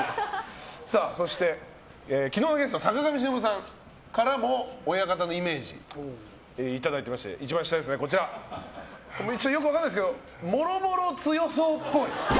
そして、昨日のゲスト坂上忍さんからも親方のイメージ、いただきまして一番下ですねよく分からないですけど諸々強いっぽい。